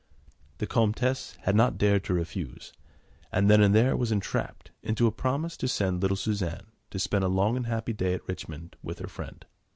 The Comtesse had not dared to refuse, and then and there was entrapped into a promise to send little Suzanne to spend a long and happy day at Richmond with her friend.